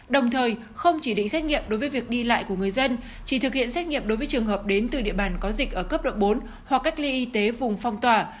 đồng thời không chỉ định xét nghiệm đối với việc đi lại của người dân chỉ thực hiện xét nghiệm đối với trường hợp đến từ địa bàn có dịch ở cấp độ bốn hoặc cách ly y tế vùng phong tỏa